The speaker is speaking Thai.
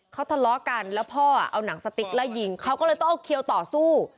เขาทะเลาะกันแล้วพ่อเอาหนังสติ๊กไล่ยิงเขาก็เลยต้องเอาเขียวต่อสู้